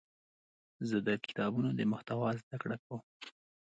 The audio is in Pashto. زه د کتابونو د محتوا زده کړه کوم.